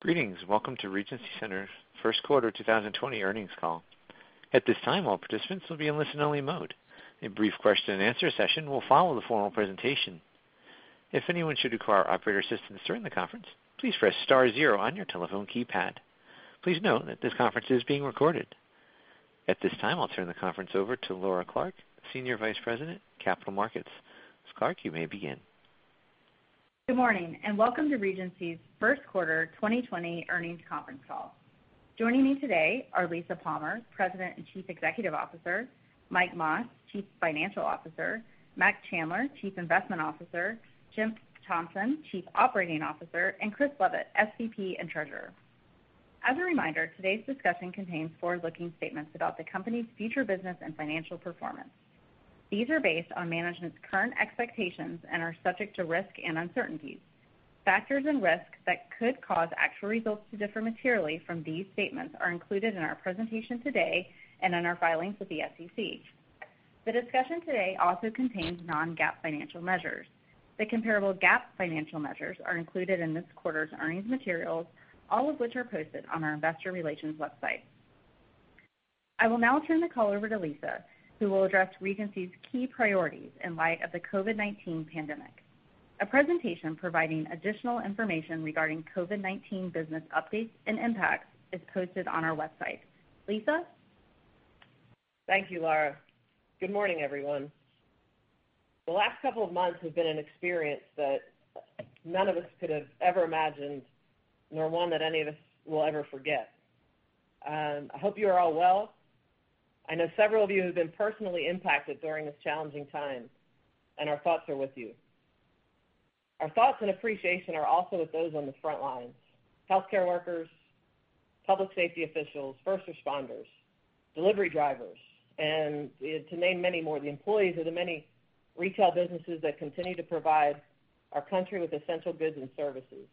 Greetings. Welcome to Regency Centers' first quarter 2020 earnings call. At this time, all participants will be in listen only mode. A brief question and answer session will follow the formal presentation. If anyone should require operator assistance during the conference, please press star zero on your telephone keypad. Please note that this conference is being recorded. At this time, I'll turn the conference over to Laura Clark, Senior Vice President, Capital Markets. Ms. Clark, you may begin. Good morning, and welcome to Regency Centers' first quarter 2020 earnings conference call. Joining me today are Lisa Palmer, President and Chief Executive Officer, Mike Mas, Chief Financial Officer, Mac Chandler, Chief Investment Officer, Jim Thompson, Chief Operating Officer, and Chris Leavitt, SVP and Treasurer. As a reminder, today's discussion contains forward-looking statements about the company's future business and financial performance. These are based on management's current expectations and are subject to risk and uncertainties. Factors and risks that could cause actual results to differ materially from these statements are included in our presentation today and in our filings with the SEC. The discussion today also contains non-GAAP financial measures. The comparable GAAP financial measures are included in this quarter's earnings materials, all of which are posted on our investor relations website. I will now turn the call over to Lisa, who will address Regency's key priorities in light of the COVID-19 pandemic. A presentation providing additional information regarding COVID-19 business updates and impacts is posted on our website. Lisa? Thank you, Laura. Good morning, everyone. The last couple of months have been an experience that none of us could have ever imagined, nor one that any of us will ever forget. I hope you are all well. I know several of you have been personally impacted during this challenging time, and our thoughts are with you. Our thoughts and appreciation are also with those on the front lines, healthcare workers, public safety officials, first responders, delivery drivers, and to name many more, the employees of the many retail businesses that continue to provide our country with essential goods and services.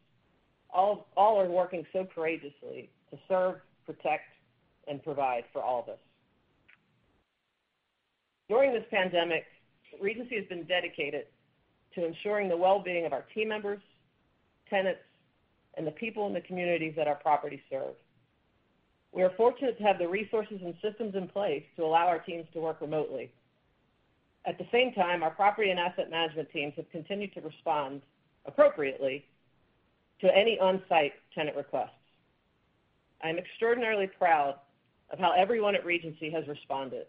All are working so courageously to serve, protect, and provide for all of us. During this pandemic, Regency has been dedicated to ensuring the well-being of our team members, tenants, and the people in the communities that our properties serve. We are fortunate to have the resources and systems in place to allow our teams to work remotely. At the same time, our property and asset management teams have continued to respond appropriately to any on-site tenant requests. I am extraordinarily proud of how everyone at Regency has responded,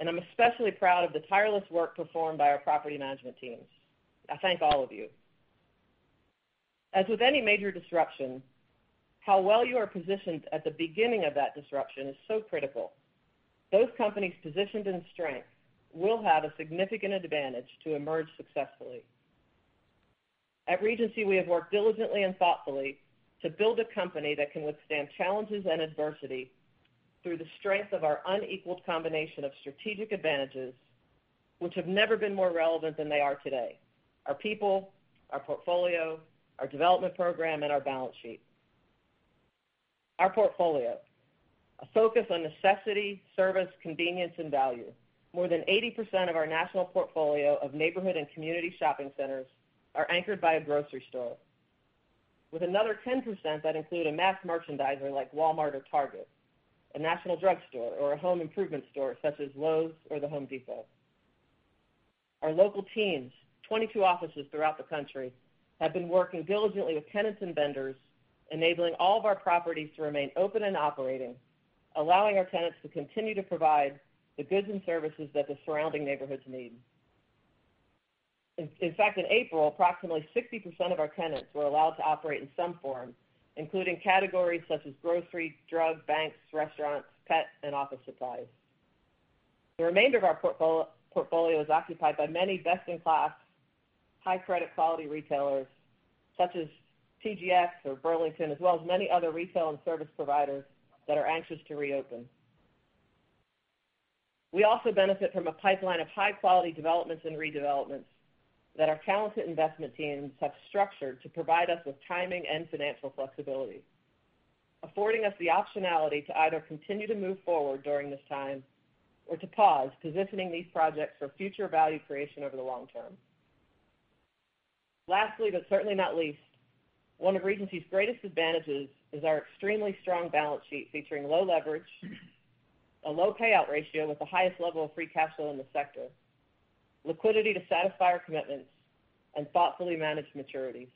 and I'm especially proud of the tireless work performed by our property management teams. I thank all of you. As with any major disruption, how well you are positioned at the beginning of that disruption is so critical. Those companies positioned in strength will have a significant advantage to emerge successfully. At Regency, we have worked diligently and thoughtfully to build a company that can withstand challenges and adversity through the strength of our unequaled combination of strategic advantages, which have never been more relevant than they are today. Our people, our portfolio, our development program, and our balance sheet. Our portfolio, a focus on necessity, service, convenience, and value. More than 80% of our national portfolio of neighborhood and community shopping centers are anchored by a grocery store, with another 10% that include a mass merchandiser like Walmart or Target, a national drugstore, or a home improvement store such as Lowe's or The Home Depot. Our local teams, 22 offices throughout the country, have been working diligently with tenants and vendors, enabling all of our properties to remain open and operating, allowing our tenants to continue to provide the goods and services that the surrounding neighborhoods need. In fact, in April, approximately 60% of our tenants were allowed to operate in some form, including categories such as grocery, drug, banks, restaurants, pet, and office supplies. The remainder of our portfolio is occupied by many best-in-class, high credit quality retailers such as TJX or Burlington, as well as many other retail and service providers that are anxious to reopen. We also benefit from a pipeline of high-quality developments and redevelopments that our talented investment teams have structured to provide us with timing and financial flexibility, affording us the optionality to either continue to move forward during this time or to pause, positioning these projects for future value creation over the long-term. Lastly, but certainly not least, one of Regency's greatest advantages is our extremely strong balance sheet featuring low leverage, a low payout ratio with the highest level of free cash flow in the sector, liquidity to satisfy our commitments, and thoughtfully managed maturities.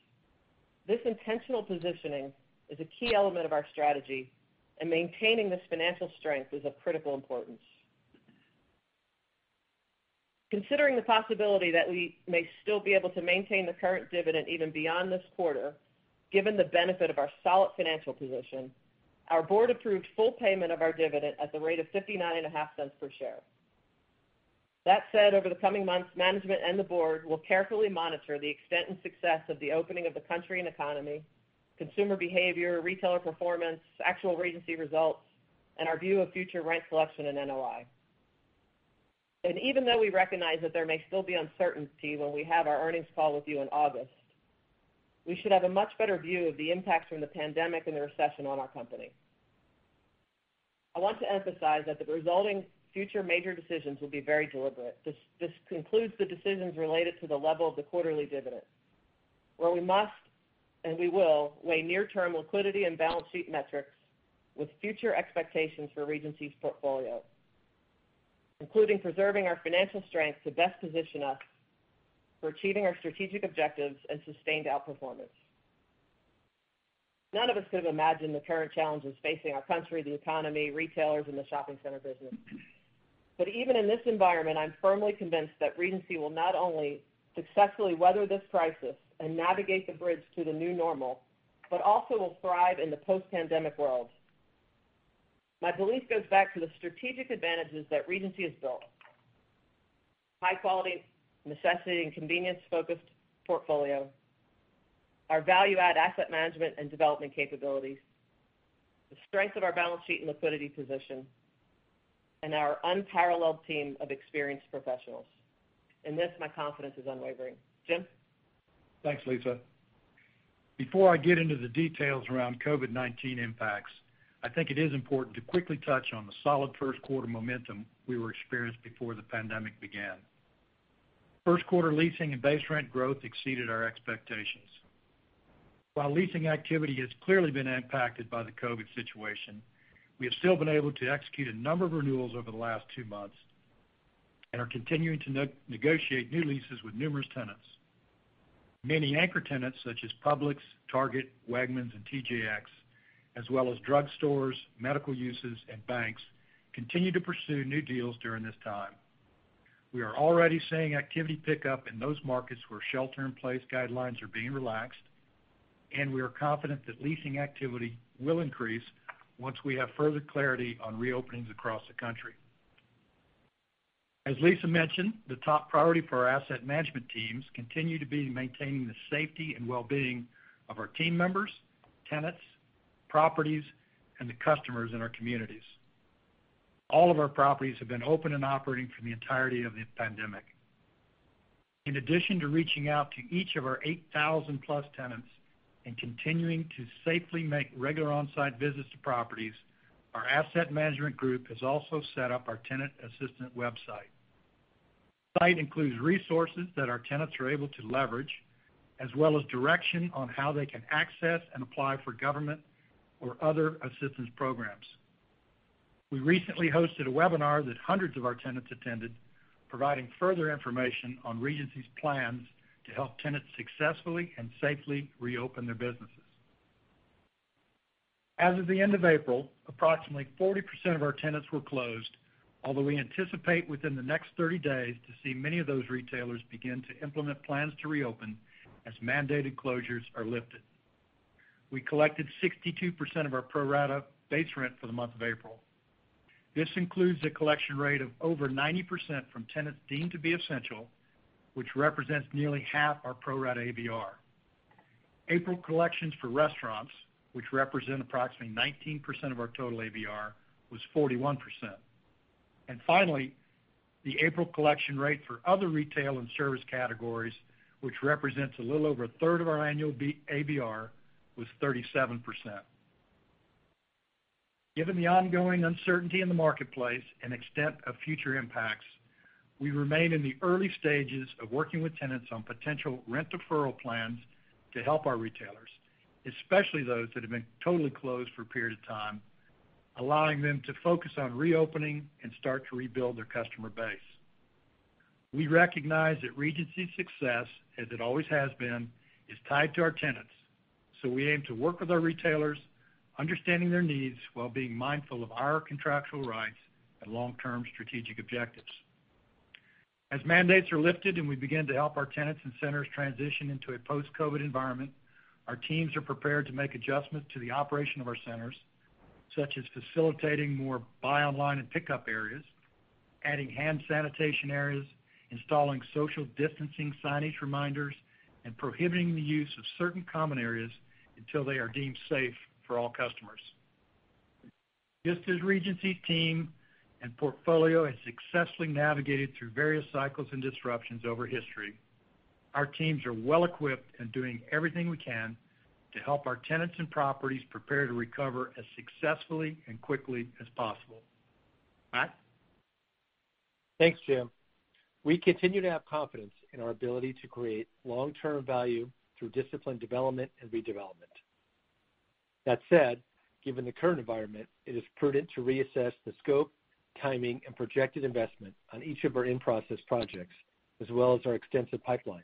This intentional positioning is a key element of our strategy, and maintaining this financial strength is of critical importance. Considering the possibility that we may still be able to maintain the current dividend even beyond this quarter, given the benefit of our solid financial position, our board approved full payment of our dividend at the rate of $0.595 per share. That said, over the coming months, management and the board will carefully monitor the extent and success of the opening of the country and economy, consumer behavior, retailer performance, actual Regency results, and our view of future rent collection and NOI. Even though we recognize that there may still be uncertainty when we have our earnings call with you in August, we should have a much better view of the impacts from the pandemic and the recession on our company. I want to emphasize that the resulting future major decisions will be very deliberate. This includes the decisions related to the level of the quarterly dividend. Where we must, and we will, weigh near-term liquidity and balance sheet metrics with future expectations for Regency's portfolio, including preserving our financial strength to best position us for achieving our strategic objectives and sustained outperformance. None of us could have imagined the current challenges facing our country, the economy, retailers, and the shopping center business. Even in this environment, I'm firmly convinced that Regency will not only successfully weather this crisis and navigate the bridge to the new normal, but also will thrive in the post-pandemic world. My belief goes back to the strategic advantages that Regency has built. High-quality, necessity, and convenience-focused portfolio, our value-add asset management and development capabilities, the strength of our balance sheet and liquidity position, and our unparalleled team of experienced professionals. In this, my confidence is unwavering. Jim? Thanks, Lisa. Before I get into the details around COVID-19 impacts, I think it is important to quickly touch on the solid first quarter momentum we were experienced before the pandemic began. First quarter leasing and base rent growth exceeded our expectations. While leasing activity has clearly been impacted by the COVID situation, we have still been able to execute a number of renewals over the last two months and are continuing to negotiate new leases with numerous tenants. Many anchor tenants, such as Publix, Target, Wegmans, and TJX, as well as drug stores, medical uses, and banks, continue to pursue new deals during this time. We are already seeing activity pick up in those markets where shelter-in-place guidelines are being relaxed, and we are confident that leasing activity will increase once we have further clarity on reopenings across the country. As Lisa mentioned, the top priority for our asset management teams continue to be maintaining the safety and wellbeing of our team members, tenants, properties, and the customers in our communities. All of our properties have been open and operating for the entirety of the pandemic. In addition to reaching out to each of our 8,000+ tenants and continuing to safely make regular on-site visits to properties, our asset management group has also set up our tenant assistant website. The site includes resources that our tenants are able to leverage, as well as direction on how they can access and apply for government or other assistance programs. We recently hosted a webinar that hundreds of our tenants attended, providing further information on Regency's plans to help tenants successfully and safely reopen their businesses. As of the end of April, approximately 40% of our tenants were closed, although we anticipate within the next 30 days to see many of those retailers begin to implement plans to reopen as mandated closures are lifted. We collected 62% of our pro-rata base rent for the month of April. This includes a collection rate of over 90% from tenants deemed to be essential, which represents nearly half our pro-rata ABR. April collections for restaurants, which represent approximately 19% of our total ABR, was 41%. Finally, the April collection rate for other retail and service categories, which represents a little over a third of our annual ABR, was 37%. Given the ongoing uncertainty in the marketplace and extent of future impacts, we remain in the early stages of working with tenants on potential rent deferral plans to help our retailers, especially those that have been totally closed for a period of time, allowing them to focus on reopening and start to rebuild their customer base. We recognize that Regency's success, as it always has been, is tied to our tenants. We aim to work with our retailers, understanding their needs while being mindful of our contractual rights and long-term strategic objectives. As mandates are lifted and we begin to help our tenants and centers transition into a post-COVID-19 environment, our teams are prepared to make adjustments to the operation of our centers, such as facilitating more buy online and pickup areas, adding hand sanitation areas, installing social distancing signage reminders, and prohibiting the use of certain common areas until they are deemed safe for all customers. Just as Regency team and portfolio has successfully navigated through various cycles and disruptions over history, our teams are well equipped and doing everything we can to help our tenants and properties prepare to recover as successfully and quickly as possible. Mac? Thanks, Jim. We continue to have confidence in our ability to create long-term value through disciplined development and redevelopment. That said, given the current environment, it is prudent to reassess the scope, timing, and projected investment on each of our in-process projects, as well as our extensive pipeline.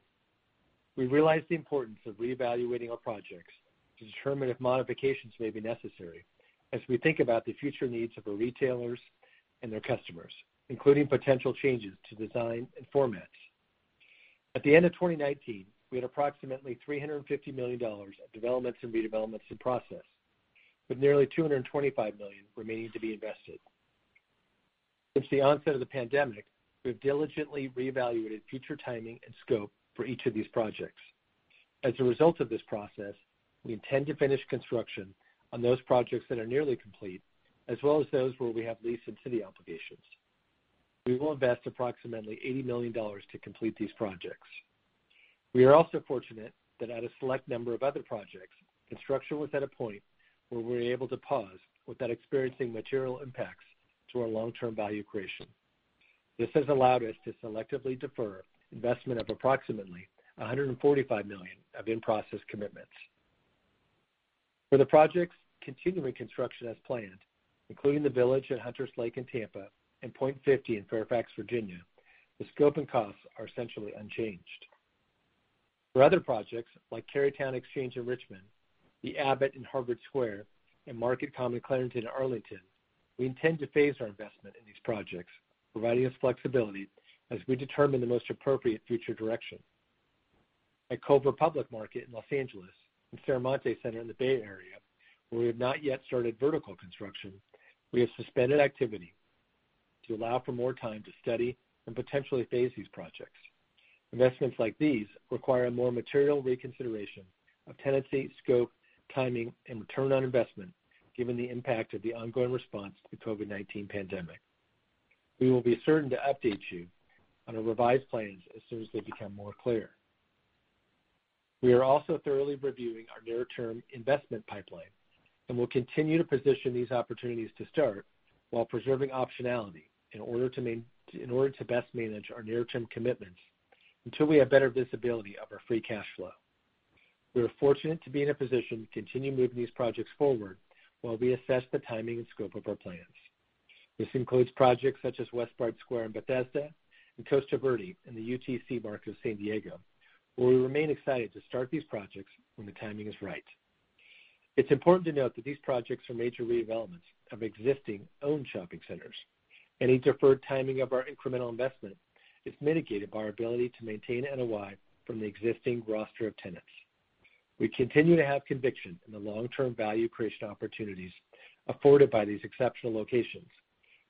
We realize the importance of reevaluating our projects to determine if modifications may be necessary as we think about the future needs of our retailers and their customers, including potential changes to design and formats. At the end of 2019, we had approximately $350 million of developments and redevelopments in process, with nearly $225 million remaining to be invested. Since the onset of the pandemic, we have diligently reevaluated future timing and scope for each of these projects. As a result of this process, we intend to finish construction on those projects that are nearly complete, as well as those where we have lease and city obligations. We will invest approximately $80 million to complete these projects. We are also fortunate that at a select number of other projects, construction was at a point where we were able to pause without experiencing material impacts to our long-term value creation. This has allowed us to selectively defer investment of approximately $145 million of in-process commitments. For the projects continuing construction as planned, including The Village at Hunter's Lake in Tampa and Point 50 in Fairfax, Virginia, the scope and costs are essentially unchanged. For other projects like Carytown Exchange in Richmond, The Abbot in Harvard Square, and Market Common Clarendon in Arlington, we intend to phase our investment in these projects, providing us flexibility as we determine the most appropriate future direction. At Culver Public Market in Los Angeles and Serramonte Center in the Bay Area, where we have not yet started vertical construction, we have suspended activity to allow for more time to study and potentially phase these projects. Investments like these require a more material reconsideration of tenancy, scope, timing, and return on investment, given the impact of the ongoing response to the COVID-19 pandemic. We will be certain to update you on our revised plans as soon as they become more clear.. We are also thoroughly reviewing our near-term investment pipeline and will continue to position these opportunities to start while preserving optionality in order to best manage our near-term commitments until we have better visibility of our free cash flow. We are fortunate to be in a position to continue moving these projects forward while we assess the timing and scope of our plans. This includes projects such as Westbard Square in Bethesda and Costa Verde in the UTC Market of San Diego, where we remain excited to start these projects when the timing is right. It's important to note that these projects are major redevelopments of existing owned shopping centers. Any deferred timing of our incremental investment is mitigated by our ability to maintain NOI from the existing roster of tenants. We continue to have conviction in the long-term value creation opportunities afforded by these exceptional locations.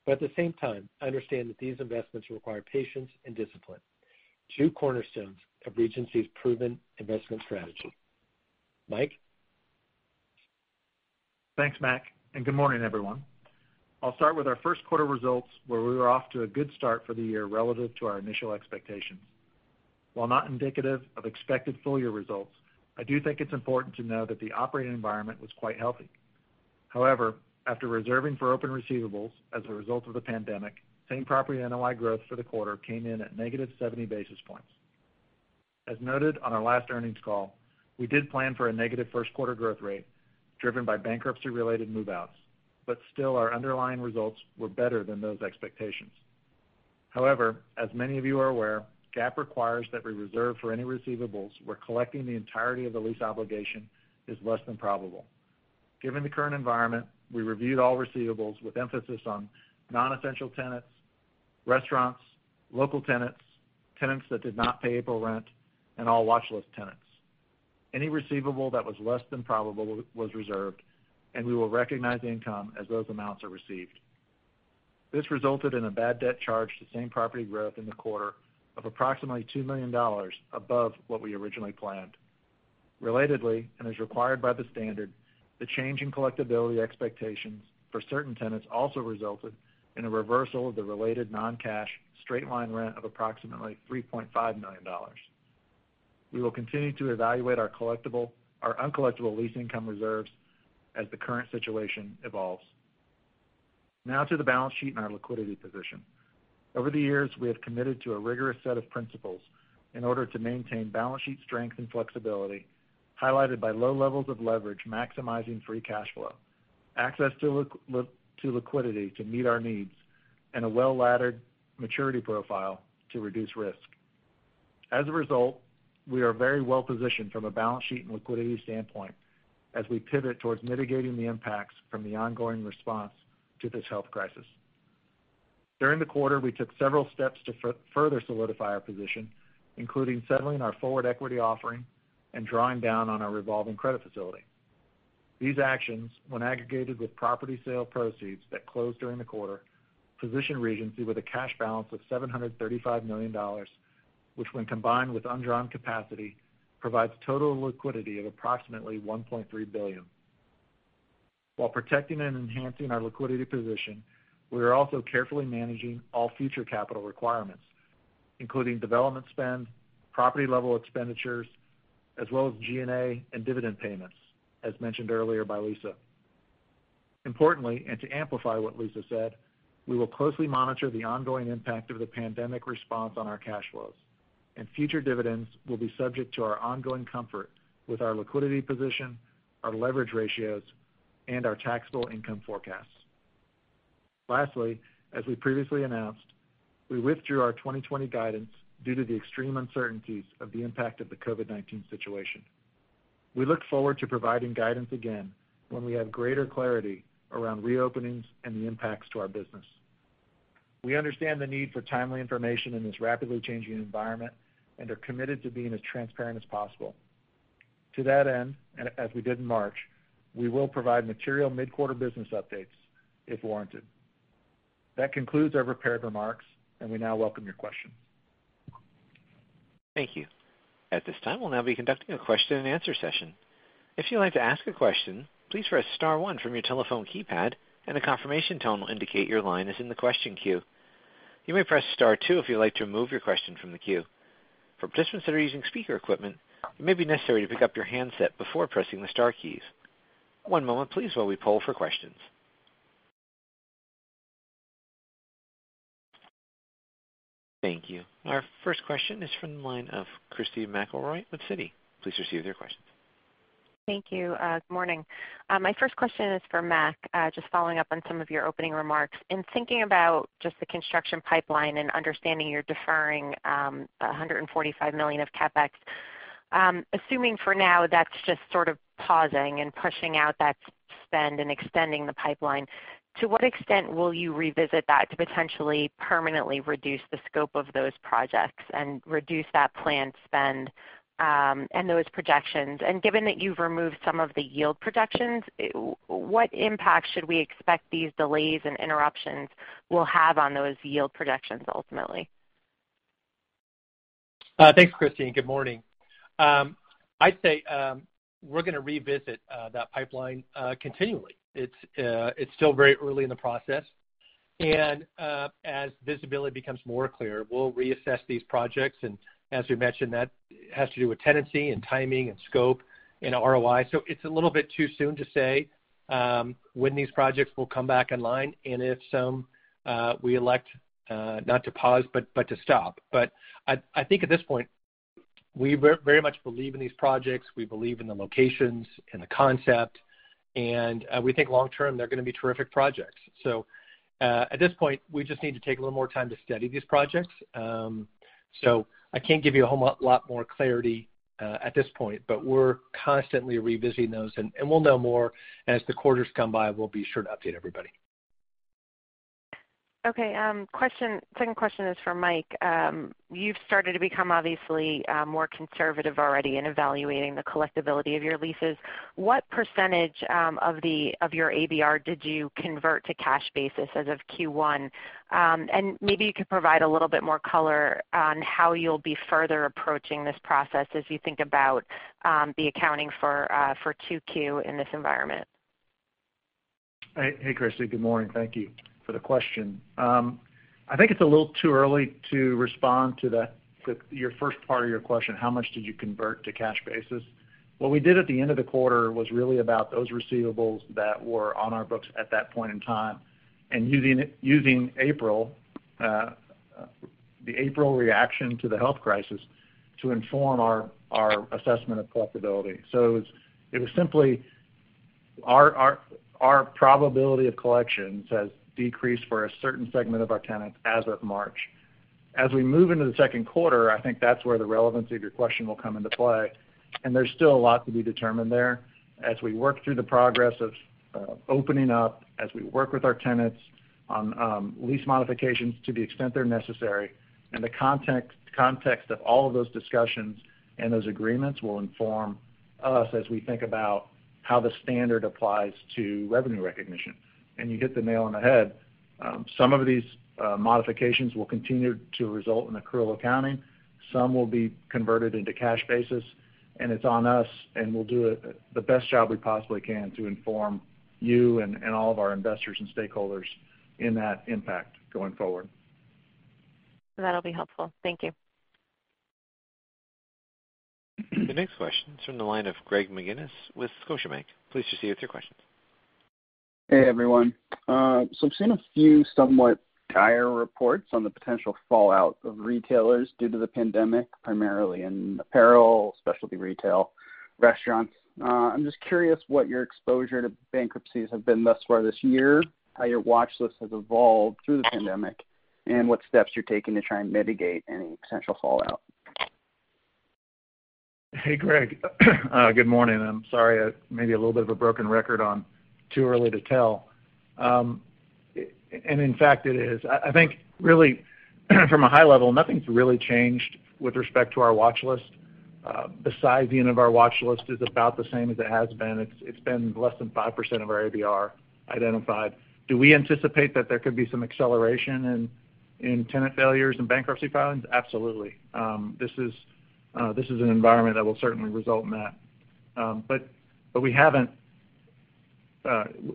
At the same time, understand that these investments require patience and discipline, two cornerstones of Regency's proven investment strategy. Mike? Thanks, Mac, good morning, everyone. I'll start with our first quarter results, where we were off to a good start for the year relative to our initial expectations. While not indicative of expected full-year results, I do think it's important to note that the operating environment was quite healthy. After reserving for open receivables as a result of the pandemic, same property NOI growth for the quarter came in at negative 70 basis points. As noted on our last earnings call, we did plan for a negative first quarter growth rate driven by bankruptcy-related move-outs. Still, our underlying results were better than those expectations. As many of you are aware, GAAP requires that we reserve for any receivables where collecting the entirety of the lease obligation is less than probable. Given the current environment, we reviewed all receivables with emphasis on non-essential tenants, restaurants, local tenants that did not pay April rent, and all watchlist tenants. Any receivable that was less than probable was reserved, and we will recognize the income as those amounts are received. This resulted in a bad debt charge to same property growth in the quarter of approximately $2 million above what we originally planned. Relatedly, as required by the standard, the change in collectibility expectations for certain tenants also resulted in a reversal of the related non-cash straight-line rent of approximately $3.5 million. We will continue to evaluate our uncollectible lease income reserves as the current situation evolves. Now to the balance sheet and our liquidity position. Over the years, we have committed to a rigorous set of principles in order to maintain balance sheet strength and flexibility, highlighted by low levels of leverage, maximizing free cash flow, access to liquidity to meet our needs, and a well-laddered maturity profile to reduce risk. As a result, we are very well positioned from a balance sheet and liquidity standpoint as we pivot towards mitigating the impacts from the ongoing response to this health crisis. During the quarter, we took several steps to further solidify our position, including settling our forward equity offering and drawing down on our revolving credit facility. These actions, when aggregated with property sale proceeds that closed during the quarter, position Regency with a cash balance of $735 million, which, when combined with undrawn capacity, provides total liquidity of approximately $1.3 billion. While protecting and enhancing our liquidity position, we are also carefully managing all future capital requirements, including development spend, property-level expenditures, as well as G&A and dividend payments, as mentioned earlier by Lisa. Importantly, and to amplify what Lisa said, we will closely monitor the ongoing impact of the pandemic response on our cash flows, and future dividends will be subject to our ongoing comfort with our liquidity position, our leverage ratios, and our taxable income forecasts. Lastly, as we previously announced, we withdrew our 2020 guidance due to the extreme uncertainties of the impact of the COVID-19 situation. We look forward to providing guidance again when we have greater clarity around reopenings and the impacts to our business. We understand the need for timely information in this rapidly changing environment and are committed to being as transparent as possible. To that end, as we did in March, we will provide material mid-quarter business updates if warranted. That concludes our prepared remarks, and we now welcome your questions. Thank you. At this time, we'll now be conducting a question and answer session. If you'd like to ask a question, please press star one from your telephone keypad, and a confirmation tone will indicate your line is in the question queue. You may press star two if you'd like to remove your question from the queue. For participants that are using speaker equipment, it may be necessary to pick up your handset before pressing the star keys. One moment, please, while we poll for questions. Thank you. Our first question is from the line of Christy McElroy with Citi. Please proceed with your questions. Thank you. Good morning. My first question is for Mac, just following up on some of your opening remarks. In thinking about just the construction pipeline and understanding you're deferring $145 million of CapEx, assuming for now that's just sort of pausing and pushing out that spend and extending the pipeline, to what extent will you revisit that to potentially permanently reduce the scope of those projects and reduce that planned spend, and those projections? Given that you've removed some of the yield projections, what impact should we expect these delays and interruptions will have on those yield projections ultimately? Thanks, Christy. Good morning. I'd say we're going to revisit that pipeline continually. It's still very early in the process. As visibility becomes more clear, we'll reassess these projects. As we mentioned, that has to do with tenancy and timing and scope and ROI. It's a little bit too soon to say when these projects will come back online. If some we elect not to pause, but to stop. I think at this point, we very much believe in these projects. We believe in the locations, in the concept, and we think long-term, they're going to be terrific projects. At this point, we just need to take a little more time to study these projects. I can't give you a whole lot more clarity at this point, but we're constantly revisiting those, and we'll know more as the quarters come by, we'll be sure to update everybody. Okay. Second question is for Mike. You've started to become obviously more conservative already in evaluating the collectibility of your leases. What percentage of your ABR did you convert to cash basis as of Q1? Maybe you could provide a little bit more color on how you'll be further approaching this process as you think about the accounting for 2Q in this environment. Hey, Christy. Good morning. Thank you for the question. I think it's a little too early to respond to your first part of your question, how much did you convert to cash basis? What we did at the end of the quarter was really about those receivables that were on our books at that point in time, and using the April reaction to the health crisis to inform our assessment of collectibility. It was simply our probability of collections has decreased for a certain segment of our tenants as of March. As we move into the second quarter, I think that's where the relevancy of your question will come into play, and there's still a lot to be determined there as we work through the progress of opening up, as we work with our tenants on lease modifications to the extent they're necessary. The context of all of those discussions and those agreements will inform us as we think about how the standard applies to revenue recognition. You hit the nail on the head. Some of these modifications will continue to result in accrual accounting. Some will be converted into cash basis, and it's on us, and we'll do the best job we possibly can to inform you and all of our investors and stakeholders in that impact going forward. That'll be helpful. Thank you. The next question is from the line of Greg McGinnis with Scotiabank. Please proceed with your questions. Hey, everyone. I've seen a few somewhat dire reports on the potential fallout of retailers due to the pandemic, primarily in apparel, specialty retail, restaurants. I'm just curious what your exposure to bankruptcies have been thus far this year, how your watch list has evolved through the pandemic, and what steps you're taking to try and mitigate any potential fallout? Hey, Greg. Good morning. I'm sorry, I may be a little bit of a broken record on too early to tell. In fact, it is. I think really from a high level, nothing's really changed with respect to our watch list. The size unit of our watch list is about the same as it has been. It's been less than 5% of our ABR identified. Do we anticipate that there could be some acceleration in tenant failures and bankruptcy filings? Absolutely. This is an environment that will certainly result in that.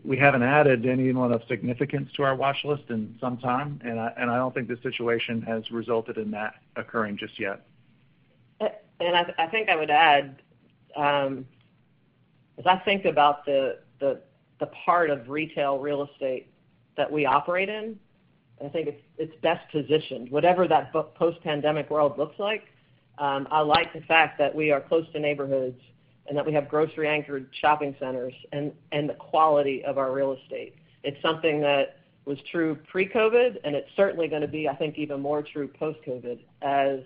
We haven't added anyone of significance to our watch list in some time, and I don't think this situation has resulted in that occurring just yet. I think I would add, as I think about the part of retail real estate that we operate in, I think it's best positioned. Whatever that post-pandemic world looks like, I like the fact that we are close to neighborhoods and that we have grocery-anchored shopping centers and the quality of our real estate. It's something that was true pre-COVID, and it's certainly going to be, I think, even more true post-COVID as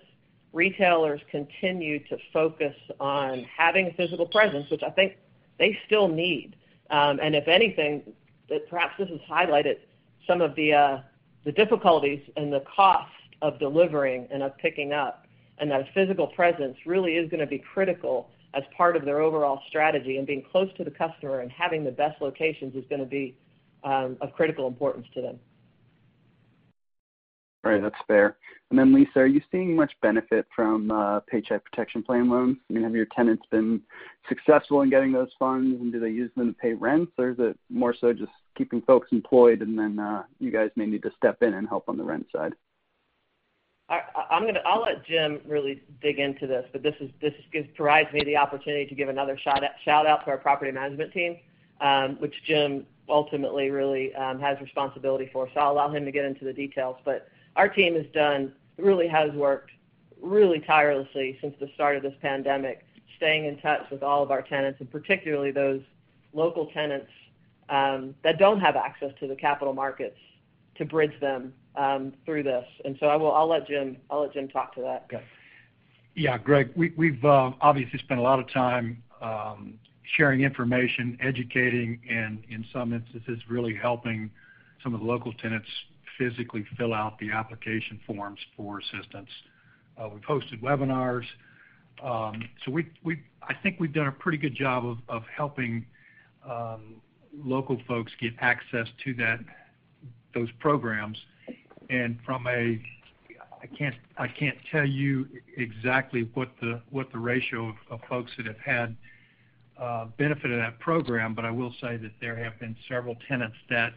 retailers continue to focus on having a physical presence, which I think they still need. If anything, perhaps this has highlighted some of the difficulties and the cost of delivering and of picking up, and that physical presence really is going to be critical as part of their overall strategy. Being close to the customer and having the best locations is going to be of critical importance to them. Right. That's fair. Lisa, are you seeing much benefit from Paycheck Protection Program loans? Have your tenants been successful in getting those funds, and do they use them to pay rents? Is it more so just keeping folks employed, and then you guys may need to step in and help on the rent side? I'll let Jim really dig into this, but this provides me the opportunity to give another shout-out to our property management team, which Jim ultimately really has responsibility for. I'll allow him to get into the details, but our team has worked really tirelessly since the start of this pandemic, staying in touch with all of our tenants and particularly those local tenants that don't have access to the capital markets to bridge them through this. I will let Jim talk to that. Okay. Yeah, Greg, we've obviously spent a lot of time sharing information, educating, and in some instances, really helping some of the local tenants physically fill out the application forms for assistance. We've hosted webinars. I think we've done a pretty good job of helping local folks get access to those programs. I can't tell you exactly what the ratio of folks that have had benefit of that program, but I will say that there have been several tenants that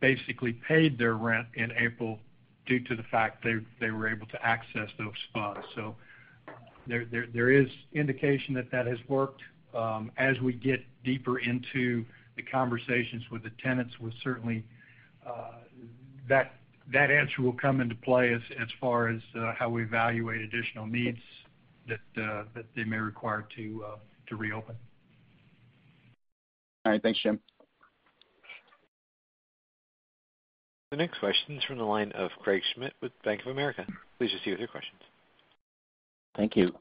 basically paid their rent in April due to the fact they were able to access those funds. There is indication that that has worked. As we get deeper into the conversations with the tenants, that answer will come into play as far as how we evaluate additional needs that they may require to reopen. All right. Thanks, Jim. The next question is from the line of Craig Schmidt with Bank of America. Please proceed with your questions. Thank you.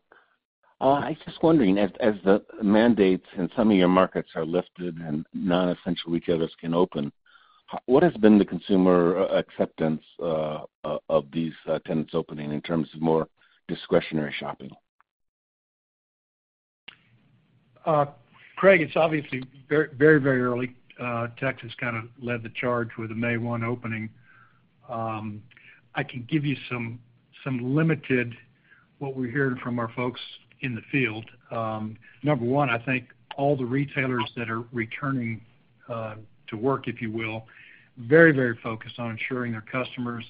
I was just wondering, as the mandates in some of your markets are lifted and non-essential retailers can open, what has been the consumer acceptance of these tenants opening in terms of more discretionary shopping? Craig, it's obviously very early. Texas kind of led the charge with the May 1 opening. I can give you some limited, what we're hearing from our folks in the field. Number 1, I think all the retailers that are returning to work, if you will, very focused on ensuring their customers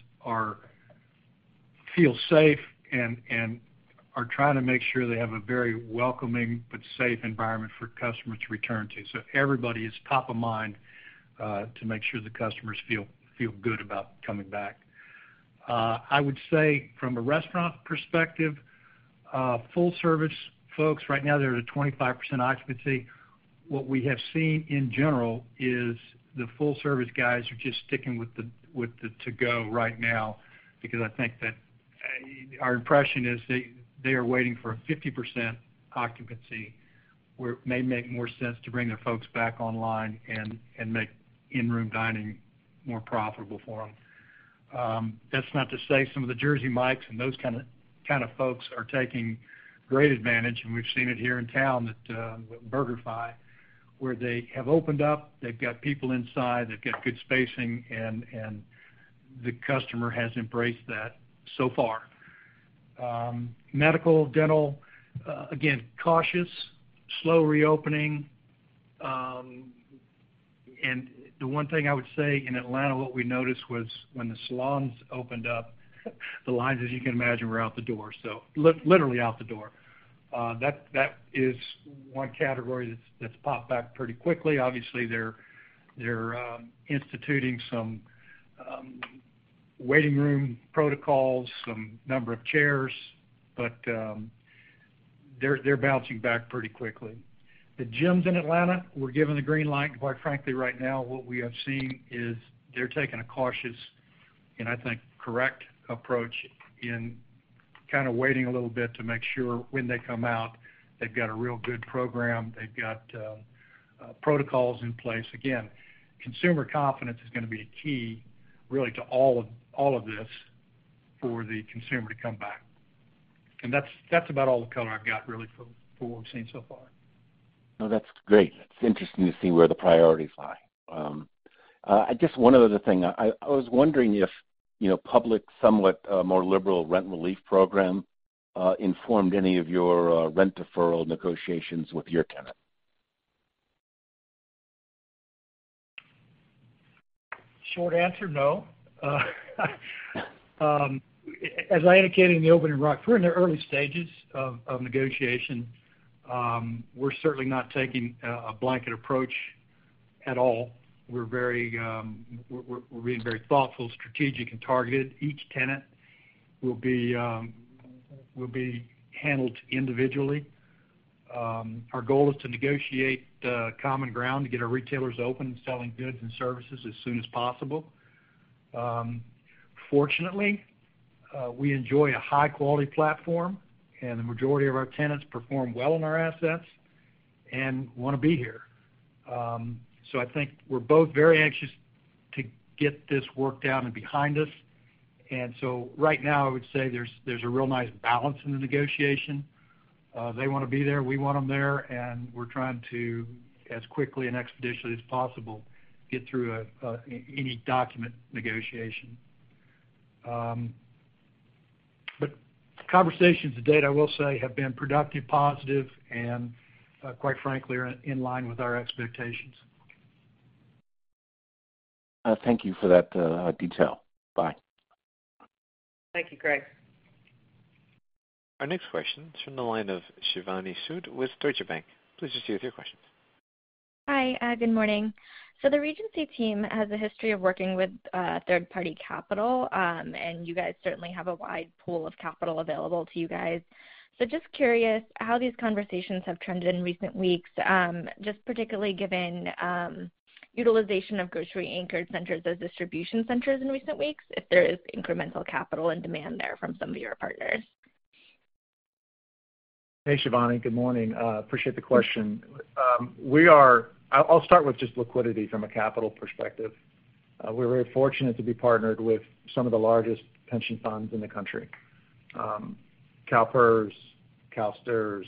feel safe and are trying to make sure they have a very welcoming but safe environment for customers to return to. Everybody is top of mind to make sure the customers feel good about coming back. I would say from a restaurant perspective, full service folks right now, they're at a 25% occupancy. What we have seen in general is the full service guys are just sticking with the to-go right now because our impression is they are waiting for a 50% occupancy where it may make more sense to bring their folks back online and make in-room dining more profitable for them. That's not to say some of the Jersey Mike's and those kind of folks are taking great advantage, and we've seen it here in town with BurgerFi, where they have opened up, they've got people inside, they've got good spacing, and the customer has embraced that so far. Medical, dental, again, cautious, slow reopening. The one thing I would say in Atlanta, what we noticed was when the salons opened up, the lines, as you can imagine, were out the door. Literally out the door. That is one category that's popped back pretty quickly. Obviously, they're instituting some waiting room protocols, some number of chairs. They're bouncing back pretty quickly. The gyms in Atlanta were given the green light. Quite frankly, right now what we have seen is they're taking a cautious, and I think correct approach in kind of waiting a little bit to make sure when they come out, they've got a real good program, they've got protocols in place. Again, consumer confidence is going to be a key, really to all of this for the consumer to come back. That's about all the color I've got really from what we've seen so far. No, that's great. It's interesting to see where the priorities lie. I guess one other thing, I was wondering if public, somewhat more liberal rent relief program informed any of your rent deferral negotiations with your tenants? Short answer, no. As I indicated in the opening, we're in the early stages of negotiation. We're certainly not taking a blanket approach at all. We're being very thoughtful, strategic, and targeted. Each tenant will be handled individually. Our goal is to negotiate common ground to get our retailers open and selling goods and services as soon as possible. Fortunately, we enjoy a high-quality platform, and the majority of our tenants perform well in our assets and want to be here. I think we're both very anxious to get this worked out and behind us. Right now, I would say there's a real nice balance in the negotiation. They want to be there, we want them there, we're trying to, as quickly and expeditiously as possible, get through any document negotiation. Conversations to date, I will say, have been productive, positive, and, quite frankly, are in line with our expectations. Thank you for that detail. Bye. Thank you, Craig. Our next question is from the line of Shivani Sood with Deutsche Bank. Please proceed with your questions. Hi, good morning. The Regency team has a history of working with third-party capital, and you guys certainly have a wide pool of capital available to you guys. Just curious how these conversations have trended in recent weeks, just particularly given utilization of grocery-anchored centers as distribution centers in recent weeks, if there is incremental capital and demand there from some of your partners. Hey, Shivani. Good morning. Appreciate the question. I'll start with just liquidity from a capital perspective. We're very fortunate to be partnered with some of the largest pension funds in the country. CalPERS, CalSTRS,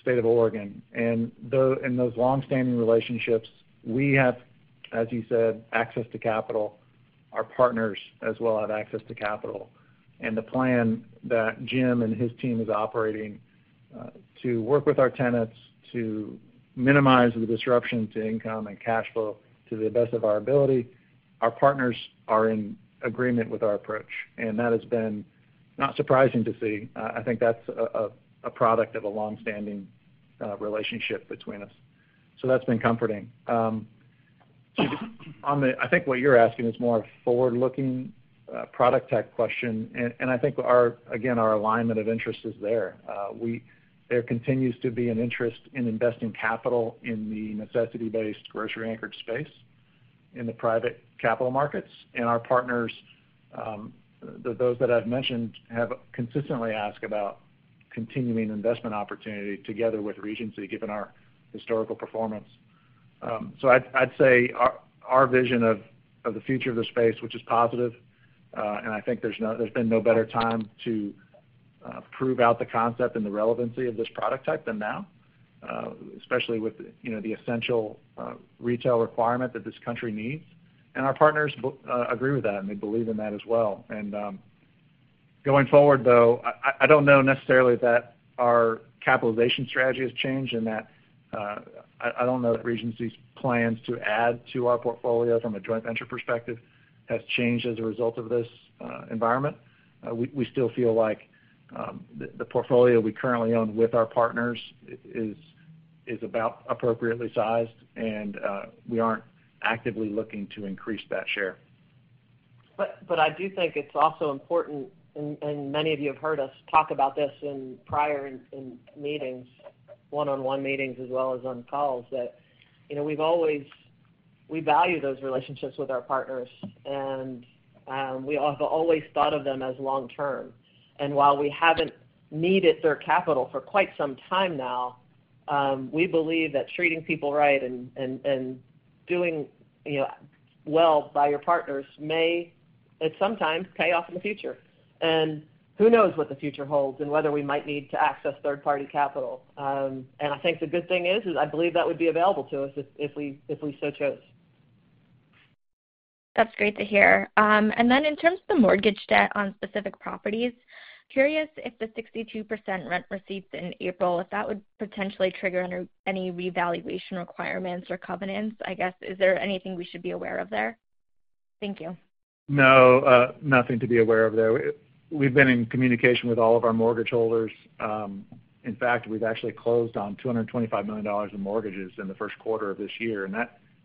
State of Oregon. Those longstanding relationships, we have, as you said, access to capital. Our partners as well have access to capital. The plan that Jim and his team is operating to work with our tenants to minimize the disruption to income and cash flow to the best of our ability, our partners are in agreement with our approach. That has been not surprising to see. I think that's a product of a longstanding relationship between us. That's been comforting. I think what you're asking is more a forward-looking product type question, and I think, again, our alignment of interest is there. There continues to be an interest in investing capital in the necessity-based, grocery-anchored space in the private capital markets. Our partners, those that I've mentioned, have consistently asked about continuing investment opportunity together with Regency given our historical performance. I'd say our vision of the future of the space, which is positive, and I think there's been no better time to prove out the concept and the relevancy of this product type than now, especially with the essential retail requirement that this country needs. Our partners agree with that, and they believe in that as well. Going forward, though, I don't know necessarily that our capitalization strategy has changed in that I don't know that Regency's plans to add to our portfolio from a joint venture perspective has changed as a result of this environment. We still feel like the portfolio we currently own with our partners is about appropriately sized, and we aren't actively looking to increase that share. I do think it's also important, and many of you have heard us talk about this in prior meetings, one-on-one meetings as well as on calls, that we value those relationships with our partners, and we have always thought of them as long-term. While we haven't needed their capital for quite some time now, we believe that treating people right and doing well by your partners may, at some time, pay off in the future. Who knows what the future holds and whether we might need to access third-party capital. I think the good thing is I believe that would be available to us if we so chose. That's great to hear. In terms of the mortgage debt on specific properties, curious if the 62% rent received in April, if that would potentially trigger any revaluation requirements or covenants. I guess, is there anything we should be aware of there? Thank you. No, nothing to be aware of there. We've been in communication with all of our mortgage holders. We've actually closed on $225 million in mortgages in the first quarter of this year, and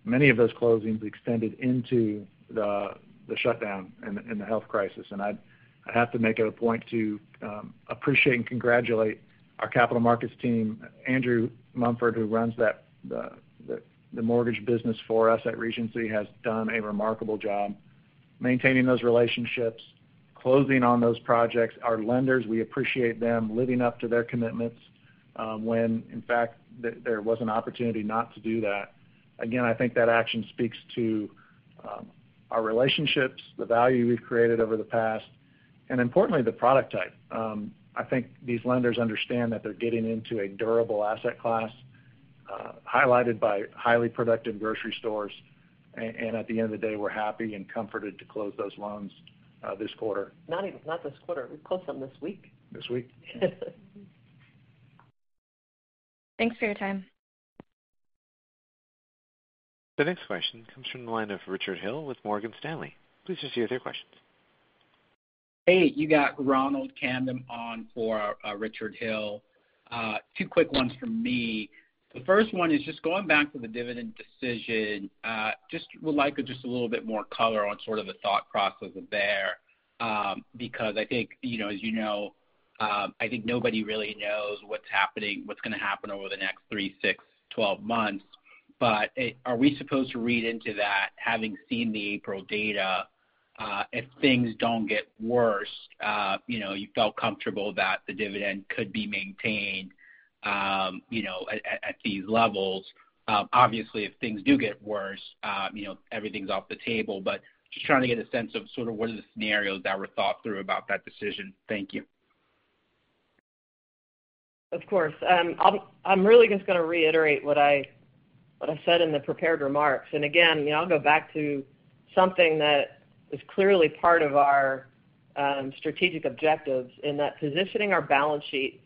many of those closings extended into the shutdown and the health crisis. I'd have to make it a point to appreciate and congratulate our Capital Markets team. Andrew Mumford, who runs the mortgage business for us at Regency, has done a remarkable job maintaining those relationships, closing on those projects. Our lenders, we appreciate them living up to their commitments when, in fact, there was an opportunity not to do that. I think that action speaks to our relationships, the value we've created over the past, and importantly, the product type. I think these lenders understand that they're getting into a durable asset class, highlighted by highly productive grocery stores. At the end of the day, we're happy and comforted to close those loans this quarter. Not this quarter. We closed them this week. This week. Thanks for your time. The next question comes from the line of Richard Hill with Morgan Stanley. Please proceed with your questions. Hey, you got Ronald Kamdem on for Richard Hill. Two quick ones from me. The first one is just going back to the dividend decision. Would like just a little bit more color on sort of the thought process there, because I think as you know, I think nobody really knows what's going to happen over the next three, six, 12 months. Are we supposed to read into that, having seen the April data, if things don't get worse, you felt comfortable that the dividend could be maintained at these levels? Obviously, if things do get worse, everything's off the table. Just trying to get a sense of sort of what are the scenarios that were thought through about that decision. Thank you. Of course. I'm really just going to reiterate what I said in the prepared remarks. Again, I'll go back to something that is clearly part of our strategic objectives in that positioning our balance sheet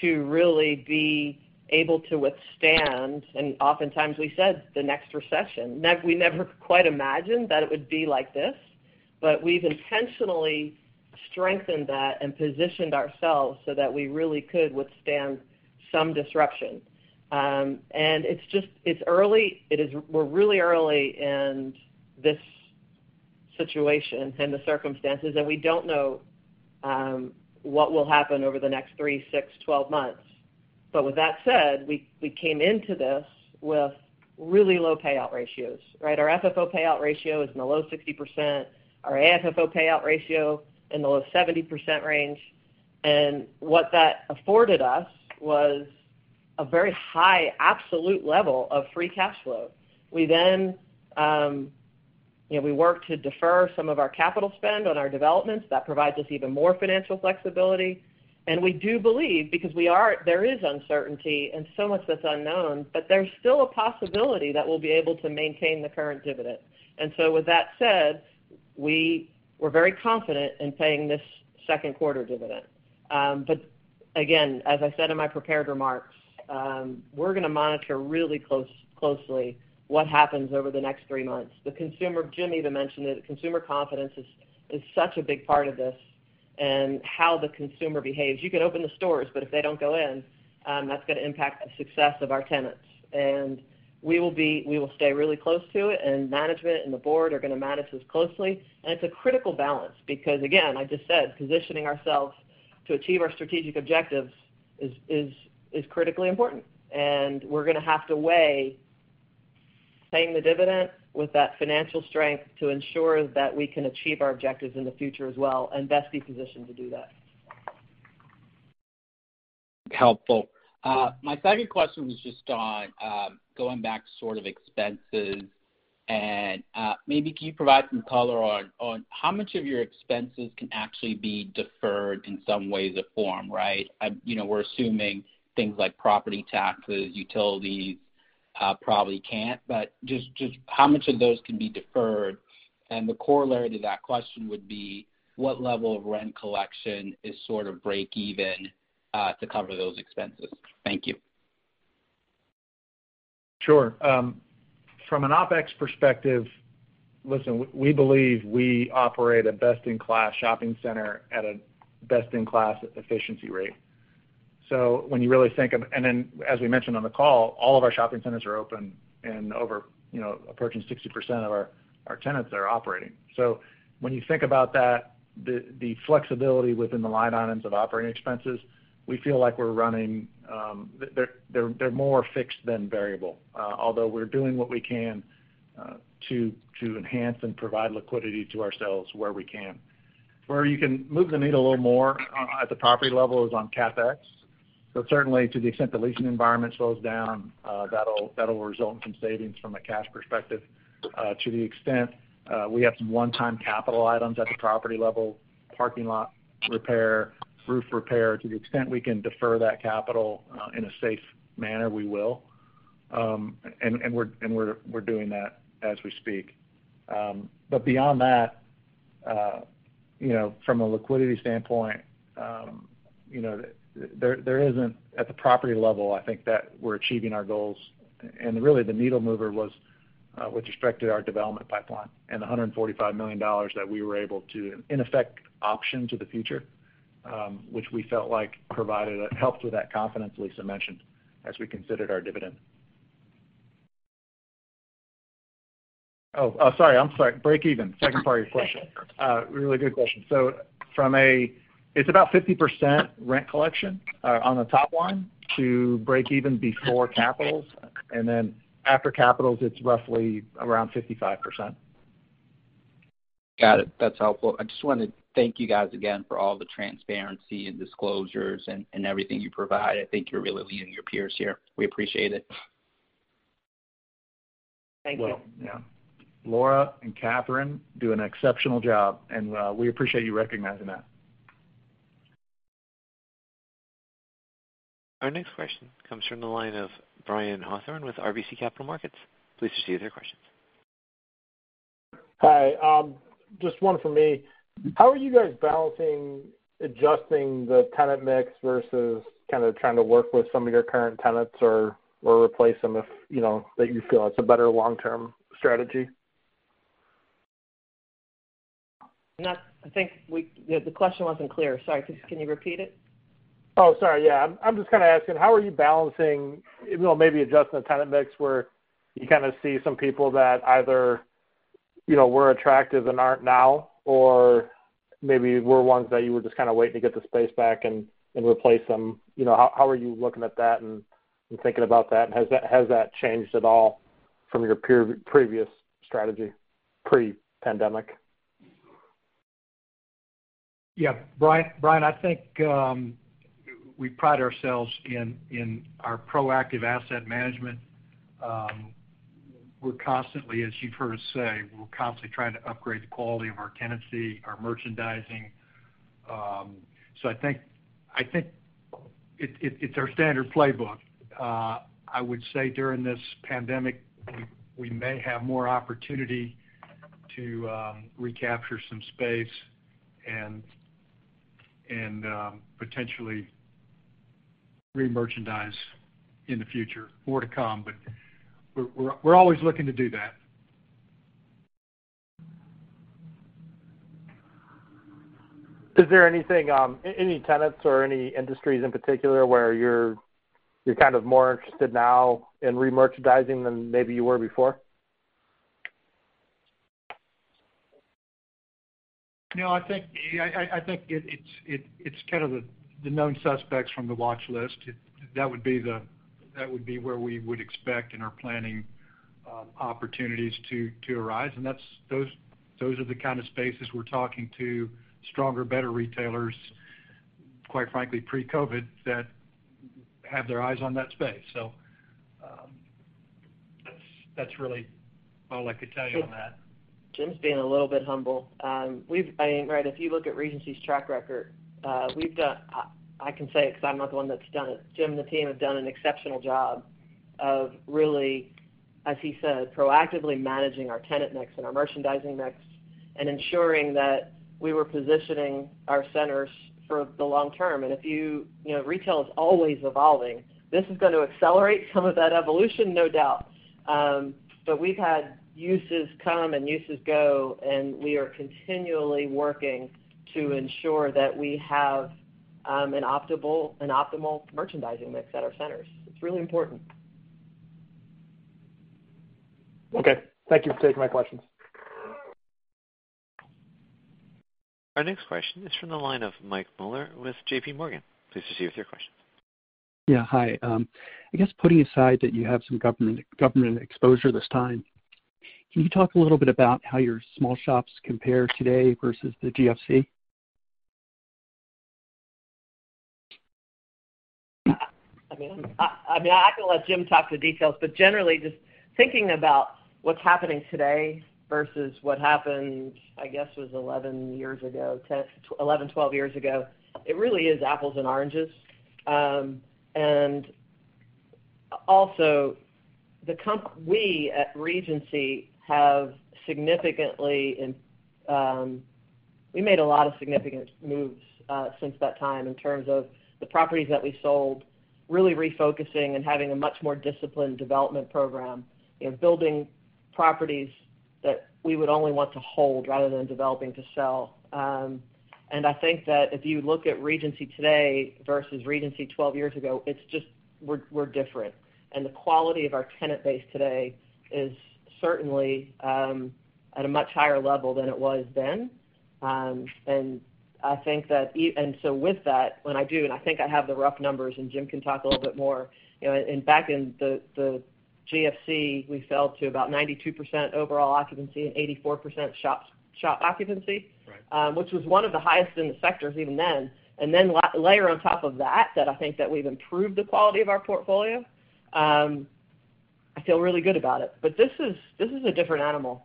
to really be able to withstand, and oftentimes we said, the next recession. We never quite imagined that it would be like this, we've intentionally strengthened that and positioned ourselves so that we really could withstand some disruption. It's early. We're really early in this situation and the circumstances, and we don't know what will happen over the next three, six, 12 months. With that said, we came into this with really low payout ratios. Right? Our FFO payout ratio is in the low 60%, our AFFO payout ratio in the low 70% range. What that afforded us was a very high absolute level of free cash flow. We worked to defer some of our capital spend on our developments. That provides us even more financial flexibility. We do believe, because there is uncertainty and so much that's unknown, but there's still a possibility that we'll be able to maintain the current dividend. With that said, we're very confident in paying this second quarter dividend. Again, as I said in my prepared remarks, we're going to monitor really closely what happens over the next three months. Jim even mentioned it, consumer confidence is such a big part of this and how the consumer behaves. You can open the stores, but if they don't go in, that's going to impact the success of our tenants. We will stay really close to it, and management and the board are going to manage this closely. It's a critical balance because again, I just said, positioning ourselves to achieve our strategic objectives is critically important. We're going to have to weigh paying the dividend with that financial strength to ensure that we can achieve our objectives in the future as well and best be positioned to do that. Helpful. My second question was just on going back to sort of expenses and maybe can you provide some color on how much of your expenses can actually be deferred in some way or form, right? We're assuming things like property taxes, utilities probably can't, but just how much of those can be deferred? The corollary to that question would be what level of rent collection is sort of break even to cover those expenses? Thank you. Sure. From an OpEx perspective, listen, we believe we operate a best-in-class shopping center at a best-in-class efficiency rate. As we mentioned on the call, all of our shopping centers are open and approaching 60% of our tenants are operating. When you think about that, the flexibility within the line items of operating expenses, we feel like they're more fixed than variable. Although we're doing what we can to enhance and provide liquidity to ourselves where we can. Where you can move the needle a little more at the property level is on CapEx. Certainly to the extent the leasing environment slows down, that'll result in some savings from a cash perspective. To the extent we have some one-time capital items at the property level, parking lot repair, roof repair, to the extent we can defer that capital in a safe manner, we will. We're doing that as we speak. Beyond that, from a liquidity standpoint, there isn't at the property level, I think that we're achieving our goals and really the needle mover was with respect to our development pipeline and the $145 million that we were able to, in effect, option to the future, which we felt like helped with that confidence Lisa mentioned as we considered our dividend. Sorry, break even. Second part of your question. Really good question. It's about 50% rent collection on the top line to break even before capitals, and then after capital, it's roughly around 55%. Got it. That's helpful. I just want to thank you guys again for all the transparency and disclosures and everything you provide. I think you're really leading your peers here. We appreciate it. Thank you. Well, yeah. Laura and Catherine do an exceptional job, and we appreciate you recognizing that. Our next question comes from the line of Brian Hawthorne with RBC Capital Markets. Please proceed with your questions. Hi. Just one from me. How are you guys balancing adjusting the tenant mix versus kind of trying to work with some of your current tenants or replace them if that you feel it's a better long-term strategy? I think the question wasn't clear. Sorry. Can you repeat it? Oh, sorry. Yeah. I'm just kind of asking how are you balancing maybe adjusting the tenant mix where you kind of see some people that either were attractive and aren't now, or maybe were ones that you were just kind of waiting to get the space back and replace them? How are you looking at that and thinking about that? Has that changed at all from your previous strategy pre-pandemic? Yeah. Brian, I think we pride ourselves in our proactive asset management. As you've heard us say, we're constantly trying to upgrade the quality of our tenancy, our merchandising. I think it's our standard playbook. I would say during this pandemic, we may have more opportunity to recapture some space and potentially remerchandise in the future. More to come. We're always looking to do that. Is there any tenants or any industries in particular where you're kind of more interested now in remerchandising than maybe you were before? No, I think it's kind of the known suspects from the watch list. That would be where we would expect in our planning opportunities to arise. Those are the kind of spaces we're talking to stronger, better retailers, quite frankly, pre-COVID, that have their eyes on that space. That's really all I could tell you on that. Jim's being a little bit humble. If you look at Regency's track record, I can say it because I'm not the one that's done it. Jim and the team have done an exceptional job of really, as he said, proactively managing our tenant mix and our merchandising mix and ensuring that we were positioning our centers for the long-term. Retail is always evolving. This is going to accelerate some of that evolution, no doubt. We've had uses come and uses go, and we are continually working to ensure that we have an optimal merchandising mix at our centers. It's really important. Okay. Thank you for taking my questions. Our next question is from the line of Mike Mueller with JPMorgan. Please proceed with your question. Yeah. Hi. I guess putting aside that you have some government exposure this time, can you talk a little bit about how your small shops compare today versus the GFC? I mean, I can let Jim talk the details. Generally just thinking about what's happening today versus what happened, I guess, was 11, 12 years ago, it really is apples and oranges. Also, we at Regency, we made a lot of significant moves since that time in terms of the properties that we sold, really refocusing and having a much more disciplined development program. Building properties that we would only want to hold rather than developing to sell. I think that if you look at Regency today versus Regency 12 years ago, we're different. The quality of our tenant base today is certainly at a much higher level than it was then. With that, when I do, and I think I have the rough numbers, and Jim can talk a little bit more. Back in the GFC, we fell to about 92% overall occupancy and 84% shop occupancy. Right. Which was one of the highest in the sectors even then. Then layer on top of that I think that we've improved the quality of our portfolio. I feel really good about it. This is a different animal.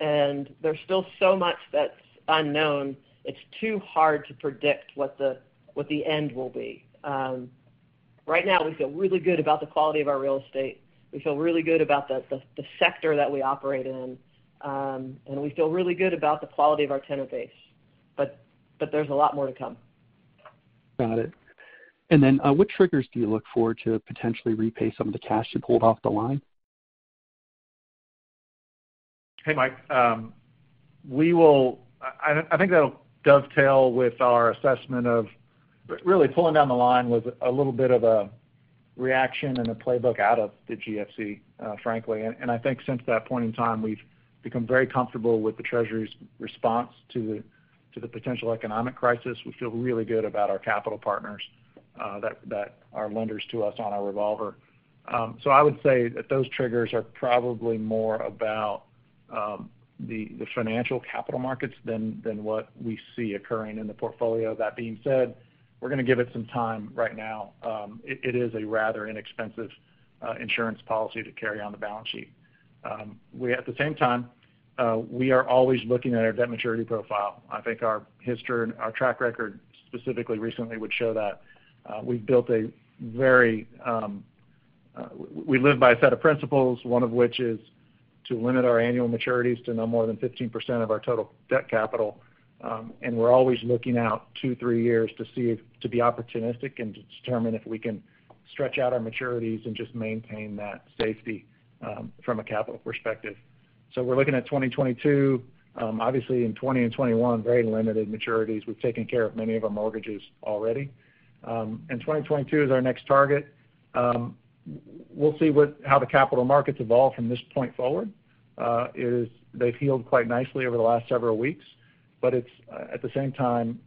There's still so much that's unknown. It's too hard to predict what the end will be. Right now, we feel really good about the quality of our real estate. We feel really good about the sector that we operate in. We feel really good about the quality of our tenant base. There's a lot more to come. Got it. What triggers do you look for to potentially repay some of the cash you pulled off the line? Hey, Mike. I think that'll dovetail with our assessment of really pulling down the line was a little bit of a reaction and a playbook out of the GFC, frankly. I think since that point in time, we've become very comfortable with the Treasury's response to the potential economic crisis. We feel really good about our capital partners that are lenders to us on our revolver. I would say that those triggers are probably more about the financial capital markets than what we see occurring in the portfolio. That being said, we're going to give it some time right now. It is a rather inexpensive insurance policy to carry on the balance sheet. At the same time, we are always looking at our debt maturity profile. I think our track record, specifically recently, would show that we live by a set of principles, one of which is to limit our annual maturities to no more than 15% of our total debt capital. We're always looking out two, three years to be opportunistic and to determine if we can stretch out our maturities and just maintain that safety from a capital perspective. We're looking at 2022. Obviously in 2020 and 2021, very limited maturities. We've taken care of many of our mortgages already. 2022 is our next target. We'll see how the capital markets evolve from this point forward. They've healed quite nicely over the last several weeks, but at the same time.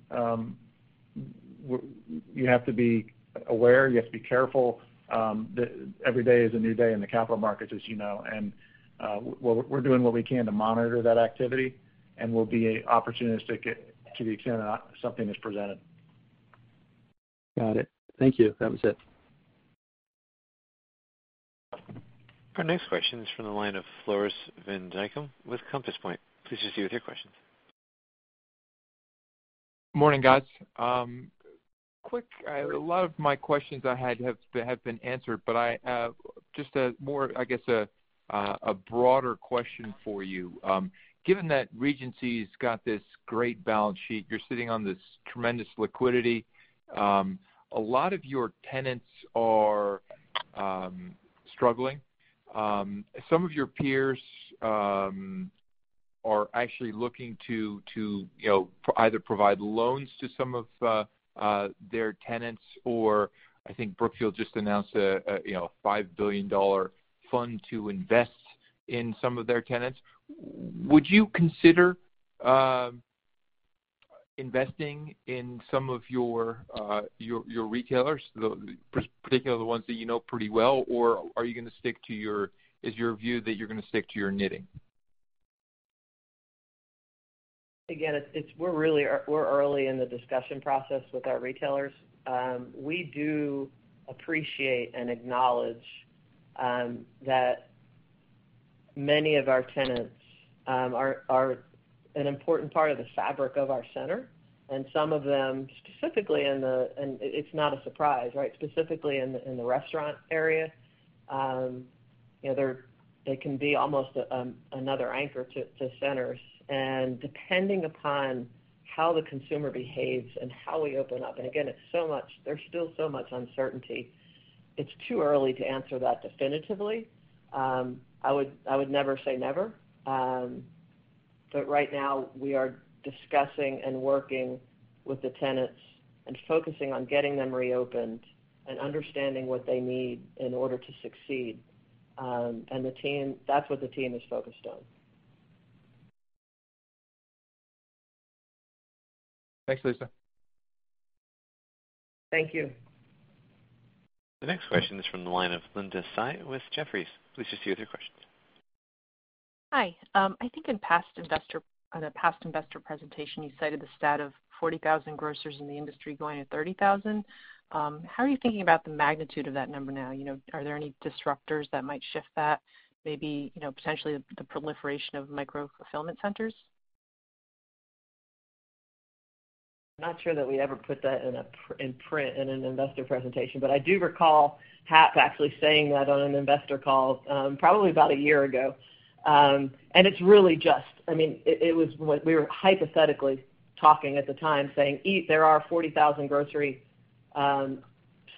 You have to be aware, you have to be careful. Every day is a new day in the capital markets, as you know. We're doing what we can to monitor that activity, and we'll be opportunistic to the extent that something is presented. Got it. Thank you. That was it. Our next question is from the line of Floris van Dijkum with Compass Point. Please proceed with your questions. Morning, guys. A lot of my questions I had have been answered. I have just, I guess, a broader question for you. Given that Regency's got this great balance sheet, you're sitting on this tremendous liquidity. A lot of your tenants are struggling. Some of your peers are actually looking to either provide loans to some of their tenants or I think Brookfield just announced a $5 billion fund to invest in some of their tenants. Would you consider investing in some of your retailers, particularly the ones that you know pretty well? Is your view that you're going to stick to your knitting? Again, we're early in the discussion process with our retailers. We do appreciate and acknowledge that many of our tenants are an important part of the fabric of our center, and some of them, and it's not a surprise, right? Specifically in the restaurant area, they can be almost another anchor to centers, and depending upon how the consumer behaves and how we open up, and again, there's still so much uncertainty. It's too early to answer that definitively. I would never say never. Right now, we are discussing and working with the tenants and focusing on getting them reopened and understanding what they need in order to succeed. That's what the team is focused on. Thanks, Lisa. Thank you. The next question is from the line of Linda Tsai with Jefferies. Please proceed with your questions. Hi. I think on a past investor presentation, you cited the stat of 40,000 grocers in the industry going to 30,000. How are you thinking about the magnitude of that number now? Are there any disruptors that might shift that, maybe potentially the proliferation of micro-fulfillment centers? Not sure that we ever put that in print in an investor presentation, but I do recall Hap actually saying that on an investor call, probably about a year ago. It's really just We were hypothetically talking at the time, saying, there are 40,000 grocery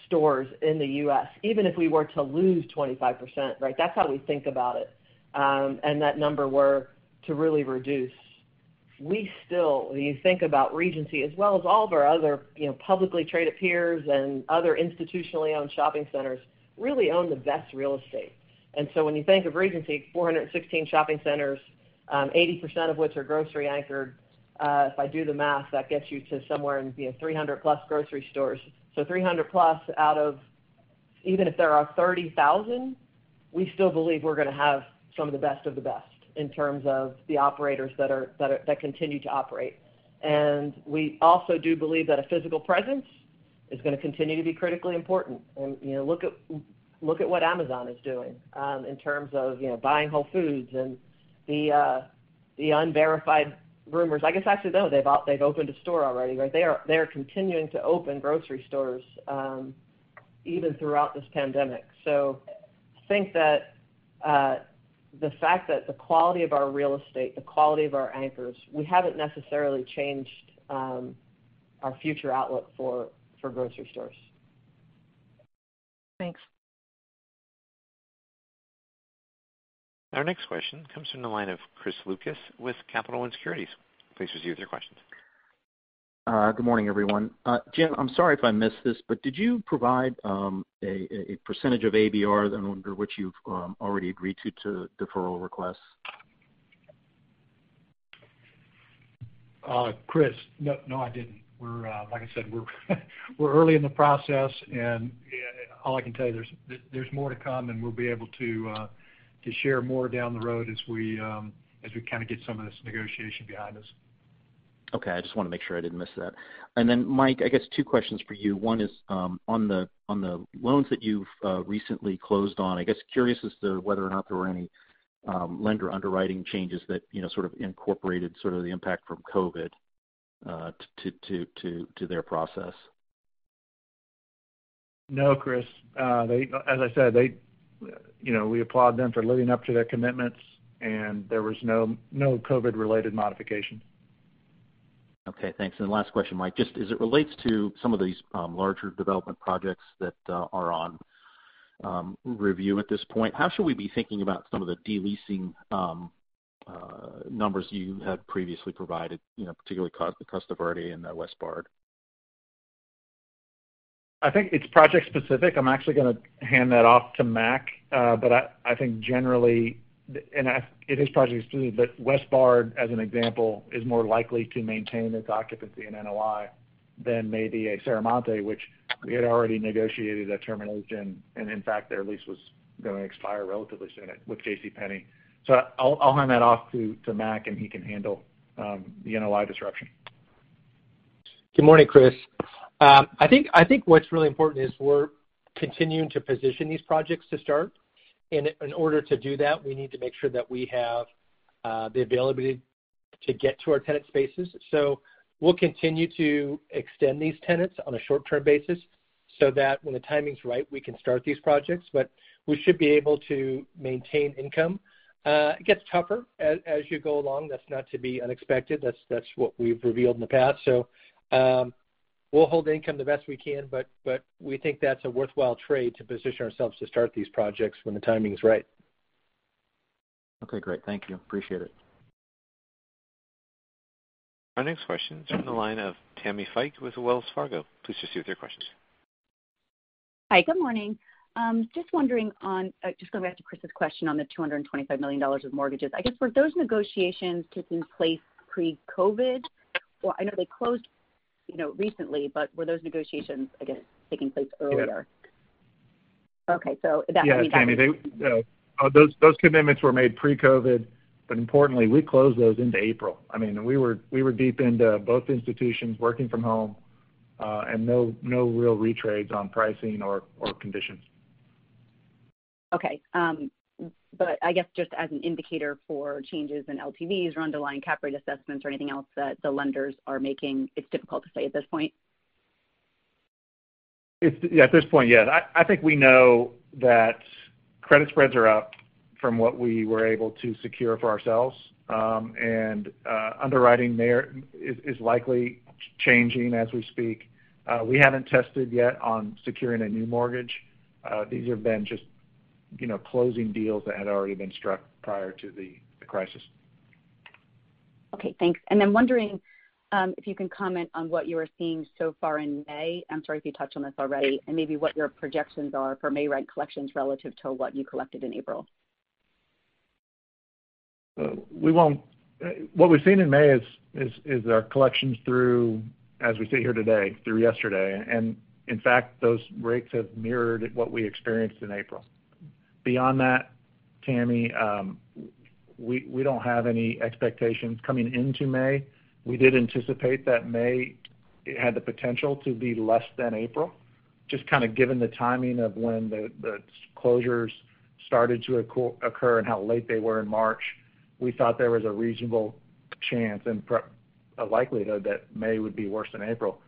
stores in the U.S. Even if we were to lose 25%, right? That's how we think about it, and that number were to really reduce. When you think about Regency, as well as all of our other publicly traded peers and other institutionally owned shopping centers really own the best real estate. When you think of Regency, 416 shopping centers, 80% of which are grocery anchored. If I do the math, that gets you to somewhere in the 300+ grocery stores. 300+ out of, even if there are 30,000, we still believe we're going to have some of the best of the best in terms of the operators that continue to operate. We also do believe that a physical presence is going to continue to be critically important. Look at what Amazon is doing in terms of buying Whole Foods and the unverified rumors. I guess, actually, no, they've opened a store already, right? They are continuing to open grocery stores, even throughout this pandemic. I think that the fact that the quality of our real estate, the quality of our anchors, we haven't necessarily changed our future outlook for grocery stores. Thanks. Our next question comes from the line of Chris Lucas with Capital One Securities. Please proceed with your questions. Good morning, everyone. Jim, I'm sorry if I missed this, but did you provide a percentage of ABR under which you've already agreed to deferral requests? Chris. No, I didn't. Like I said, we're early in the process, and all I can tell you, there's more to come, and we'll be able to share more down the road as we kind of get some of this negotiation behind us. Okay. I just want to make sure I didn't miss that. Mike, I guess two questions for you. One is on the loans that you've recently closed on. I guess curious as to whether or not there were any lender underwriting changes that sort of incorporated sort of the impact from COVID to their process. No, Chris. As I said, we applaud them for living up to their commitments, and there was no COVID-related modification. Okay, thanks. Last question, Mike, just as it relates to some of these larger development projects that are on review at this point, how should we be thinking about some of the de-leasing numbers you had previously provided, particularly Costa Verde and Westbard? I think it's project specific. I'm actually going to hand that off to Mac. I think generally, and it is project specific, Westbard, as an example, is more likely to maintain its occupancy and NOI than maybe a Serramonte, which we had already negotiated a termination, and in fact, their lease was going to expire relatively soon with JCPenney. I'll hand that off to Mac, and he can handle the NOI disruption. Good morning, Chris. I think what's really important is we're continuing to position these projects to start. In order to do that, we need to make sure that we have the availability to get to our tenant spaces. We'll continue to extend these tenants on a short-term basis so that when the timing's right, we can start these projects, but we should be able to maintain income. It gets tougher as you go along. That's not to be unexpected. That's what we've revealed in the past. We'll hold income the best we can, but we think that's a worthwhile trade to position ourselves to start these projects when the timing's right. Okay, great. Thank you. Appreciate it. Our next question is from the line of Tammi Fique with Wells Fargo. Please proceed with your questions. Hi. Good morning. Just wondering on, just going back to Chris's question on the $225 million of mortgages. I guess, were those negotiations taking place pre-COVID-19? Well, I know they closed recently, but were those negotiations, I guess, taking place earlier? Yes. Okay. Yeah, Tammi. Those commitments were made pre-COVID. Importantly, we closed those into April. We were deep into both institutions working from home. No real retrades on pricing or conditions. Okay. I guess just as an indicator for changes in LTVs or underlying cap rate assessments or anything else that the lenders are making, it's difficult to say at this point? At this point, yes. I think we know that credit spreads are up from what we were able to secure for ourselves. Underwriting there is likely changing as we speak. We haven't tested yet on securing a new mortgage. These have been just closing deals that had already been struck prior to the crisis. Okay, thanks. I'm wondering if you can comment on what you are seeing so far in May, I'm sorry if you touched on this already, and maybe what your projections are for May rent collections relative to what you collected in April. What we've seen in May is our collections through, as we sit here today, through yesterday. In fact, those rates have mirrored what we experienced in April. Beyond that, Tammi, we don't have any expectations coming into May. We did anticipate that May had the potential to be less than April, just kind of given the timing of when the closures started to occur and how late they were in March. We thought there was a reasonable chance and a likelihood that May would be worse than April.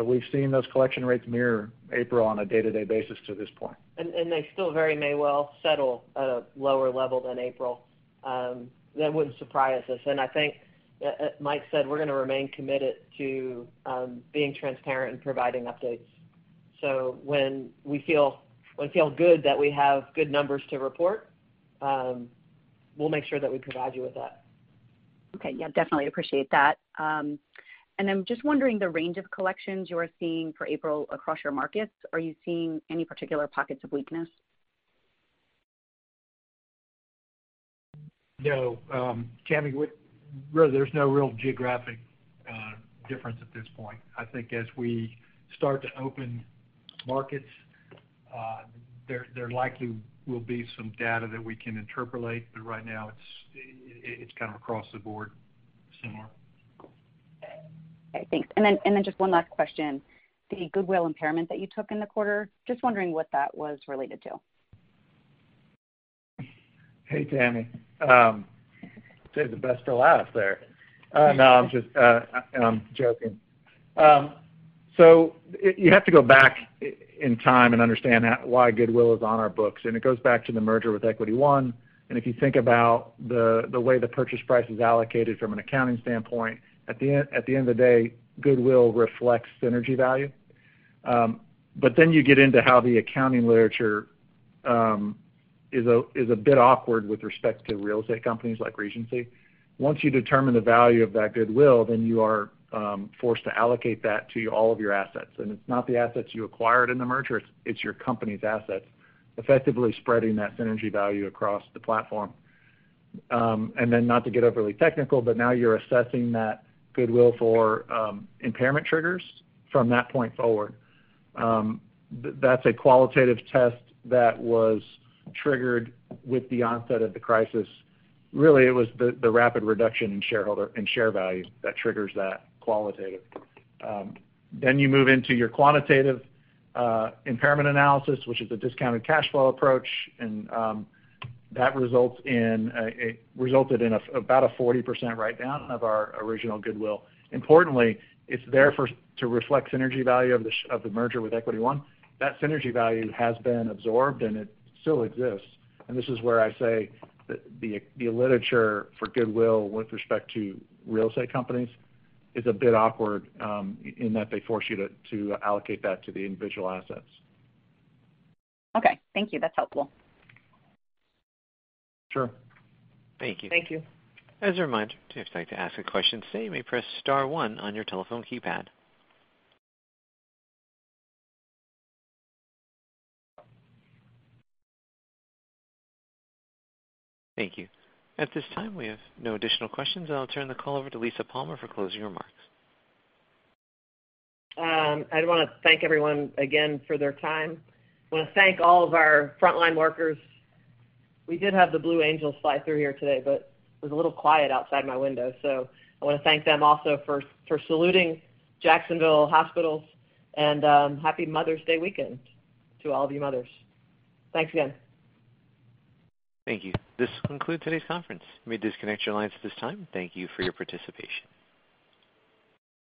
We've seen those collection rates mirror April on a day-to-day basis to this point. They still very may well settle at a lower level than April. That wouldn't surprise us. I think Mike said we're going to remain committed to being transparent and providing updates. When we feel good that we have good numbers to report, we'll make sure that we provide you with that. Okay. Yeah, definitely appreciate that. I'm just wondering the range of collections you are seeing for April across your markets. Are you seeing any particular pockets of weakness? No. Tammi, there's no real geographic difference at this point. I think as we start to open markets, there likely will be some data that we can interpolate, but right now it's kind of across the board similar. Okay. Thanks. Just one last question. The goodwill impairment that you took in the quarter, just wondering what that was related to. Hey, Tammi. Saved the best to last there. No, I'm joking. You have to go back in time and understand why goodwill is on our books, and it goes back to the merger with Equity One. If you think about the way the purchase price is allocated from an accounting standpoint, at the end of the day, goodwill reflects synergy value. You get into how the accounting literature is a bit awkward with respect to real estate companies like Regency. Once you determine the value of that goodwill, then you are forced to allocate that to all of your assets. It's not the assets you acquired in the merger, it's your company's assets, effectively spreading that synergy value across the platform. Not to get overly technical, but now you're assessing that goodwill for impairment triggers from that point forward. That's a qualitative test that was triggered with the onset of the crisis. Really, it was the rapid reduction in share value that triggers that qualitative. You move into your quantitative impairment analysis, which is a discounted cash flow approach, and that resulted in about a 40% write-down of our original goodwill. Importantly, it's there to reflect synergy value of the merger with Equity One. That synergy value has been absorbed, and it still exists. This is where I say the literature for goodwill with respect to real estate companies is a bit awkward, in that they force you to allocate that to the individual assets. Okay. Thank you. That's helpful. Sure. Thank you. Thank you. As a reminder, if you would like to ask a question today, you may press star one on your telephone keypad. Thank you. At this time, we have no additional questions, and I'll turn the call over to Lisa Palmer for closing remarks. I want to thank everyone again for their time. I want to thank all of our frontline workers. We did have the Blue Angels fly through here today, but it was a little quiet outside my window. I want to thank them also for saluting Jacksonville hospitals, and Happy Mother's Day weekend to all of you mothers. Thanks again. Thank you. This concludes today's conference. You may disconnect your lines at this time. Thank you for your participation.